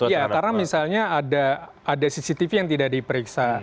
iya karena misalnya ada cctv yang tidak diperiksa